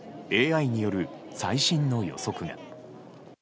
ＡＩによる最新の予測が。